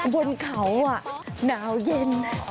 บนเขานาวยิ่น